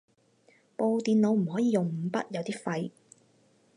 部電腦唔可以用五筆，有啲廢